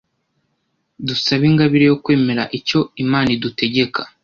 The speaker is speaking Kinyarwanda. dusabe ingabire yo kwemera icyo imana idutegeka.